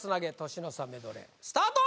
年の差メドレースタート